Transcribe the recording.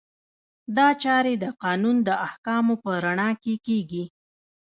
دا چارې د قانون د احکامو په رڼا کې کیږي.